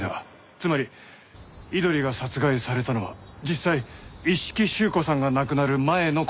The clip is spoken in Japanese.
つまり井鳥が殺害されたのは実際一色朱子さんが亡くなる前の事だった。